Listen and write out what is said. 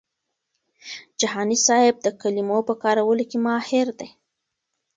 جهاني صاحب د کلمو په کارولو کي ماهر دی.